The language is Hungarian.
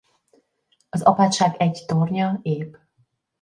Az apátság egy tornya ép.